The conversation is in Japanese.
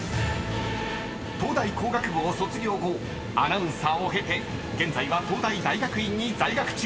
［東大工学部を卒業後アナウンサーを経て現在は東大大学院に在学中］